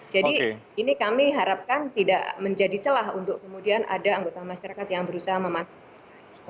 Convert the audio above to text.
jadi ini kami harapkan tidak menjadi celah untuk kemudian ada anggota masyarakat yang berusaha memanfaatkan